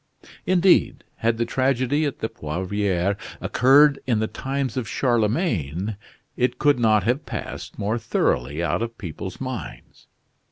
Indeed, had the tragedy at the Poivriere occurred in the times of Charlemagne, it could not have passed more thoroughly out of people's minds.